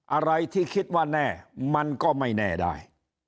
อะไรที่คิดว่าแน่มันก็ไม่แน่ได้